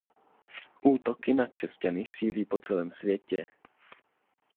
Útoky na křesťany sílí po celém světě.